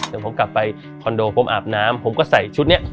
แต่ผมกลับไปคอนโดผมอาบน้ำผมก็ใส่ชุดนี้